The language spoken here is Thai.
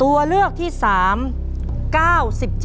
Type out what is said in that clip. น้องป๋องเลือกเรื่องระยะทางให้พี่เอื้อหนุนขึ้นมาต่อชีวิต